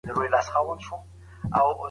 شل دوې ډلي دي.